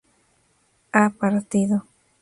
ha partido